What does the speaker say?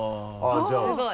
すごい。